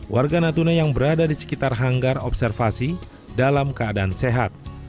warga natuna yang berada di sekitar hanggar observasi dalam keadaan sehat